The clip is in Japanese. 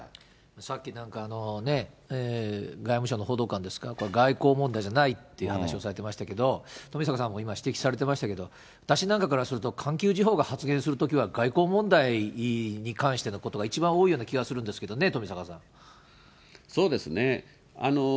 さっき、なんかね、外務省の報道官ですか、外交問題じゃないって話をされてましたけど、富坂さんも今、指摘されてましたけれども、私なんかからすると、環球時報が発言するときは、外交問題に関してのことが一番多いような気がするんですけどね、そうですね。